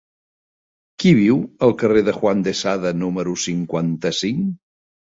Qui viu al carrer de Juan de Sada número cinquanta-cinc?